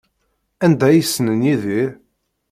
Anda ay ssnen Yidir?